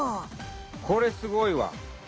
これすごいわ。